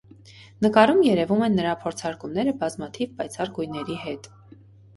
Նկարում երևում են նրա փորձարկումները բազմաթիվ պայծառ գույների հետ։